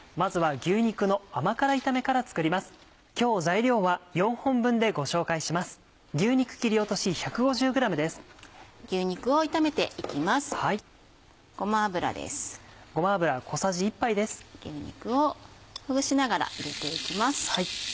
牛肉をほぐしながら入れていきます。